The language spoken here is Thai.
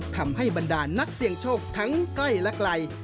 บรรดานนักเสี่ยงโชคทั้งใกล้และไกล